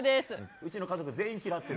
うちの家族、全員嫌ってる。